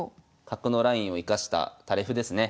角のラインを生かした垂れ歩ですね。